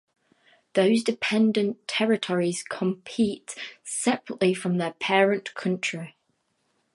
Those dependent territories compete separately from their "parent" country.